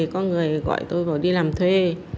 có người gọi tôi bảo đi làm thuê